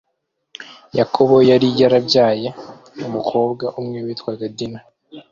yakobo yari yarabyaye umukobwa umwe witwaga dina